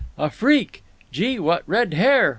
"A freak! Gee, what red hair!"